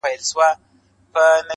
چي يې سم نيمی له ياده يم ايستلی